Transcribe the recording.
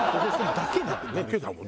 だけだもん。